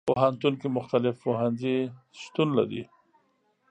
پوهنتون کې مختلف پوهنځي شتون لري.